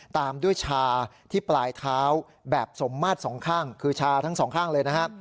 ตามด้วยชาที่ปลายเท้าแบบสมมาตรสองข้างคือชาทั้งสองข้างเลยนะฮะ